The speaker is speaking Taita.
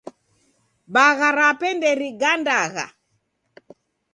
Bagha rape nderigandagha.